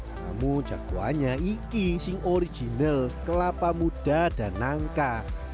namun jagoannya ini yang original kelapa muda dan nangka